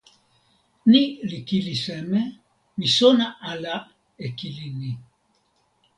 ni li kili seme? mi sona ala e kili ni.